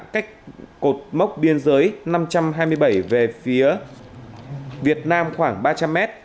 cách cột mốc biên giới năm trăm hai mươi bảy về phía việt nam khoảng ba trăm linh mét